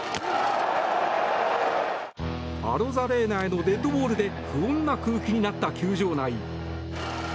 アロザレーナへのデッドボールで不穏な空気になった球場内。